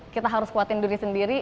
kita harus kuatin diri sendiri